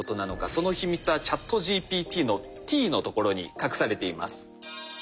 その秘密はＣｈａｔＧＰＴの「Ｔ」のところに隠されています。